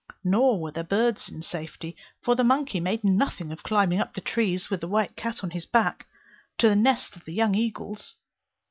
Nor were the birds in safety; for the monkey made nothing of climbing up the trees, with the white cat on his back, to the nest of the young eagles.